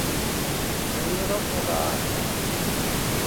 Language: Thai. หรือรถรา